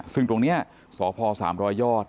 ซึ่งตรงนี้สพ๓๐๐ยอด